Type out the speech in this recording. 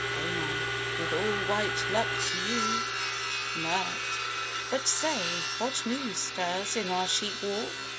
AMAR. With all white luck to you. MIRT. But say, What news Stirs in our sheep walk?